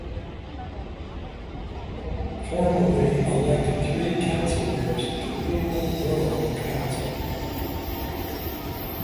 The ward formerly elected three Councillors to Poole Borough Council.